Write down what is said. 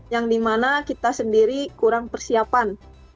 yang di mana kita sendiri kurang persiapan